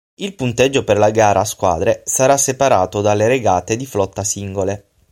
Il punteggio per la gara a squadre sarà separato dalle regate di flotta singole.